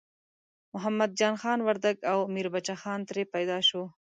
محمد جان خان وردګ او میربچه خان ترې پیدا شو.